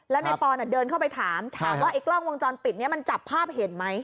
แล้วนายปอนเดินเข้าไปถามถามว่าไอ้กล้องวงจรปิดนี้มันจับภาพเห็นไหม